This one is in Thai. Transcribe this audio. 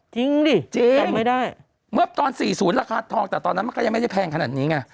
จริงดิจริงเมื่อตอน๔๐ราคาทองแต่ตอนนั้นมันก็ยังไม่ได้แพงขนาดนี้ไง